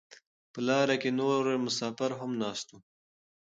په لاره کې نور مسافر هم ناست وو.